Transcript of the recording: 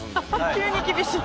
急に厳しい。